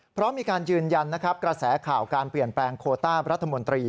เพราะมีการยืนยันนะครับกระแสข่าวการเปลี่ยนแปลงโคต้ารัฐมนตรี